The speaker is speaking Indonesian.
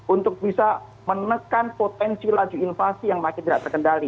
untuk bisa menekan potensi laju inflasi yang makin tidak terkendali